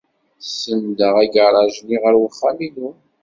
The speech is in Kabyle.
Senndeɣ agaṛaj-nni ɣer wexxam-inu.